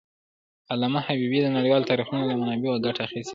علامه حبيبي د نړیوالو تاریخونو له منابعو ګټه اخېستې ده.